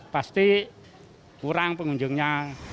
pasti kurang pengunjungnya